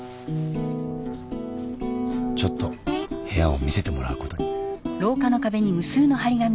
ちょっと部屋を見せてもらう事に。